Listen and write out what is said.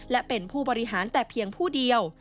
และเป็นผู้บริหารแต่เพียงผู้เดียว